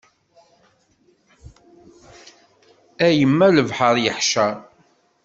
A yemma lebḥer yeḥcer.